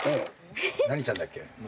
何ちゃんだっけ？